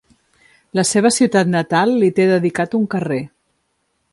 La seva ciutat natal li té dedicat un carrer.